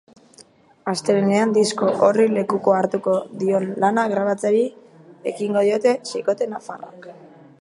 Astelehenean disko horri lekukoa hartuko dion lana grabatzeari ekingo dio seikote nafarrak.